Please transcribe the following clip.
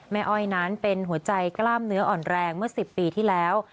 อ้อยนั้นเป็นหัวใจกล้ามเนื้ออ่อนแรงเมื่อ๑๐ปีที่แล้ว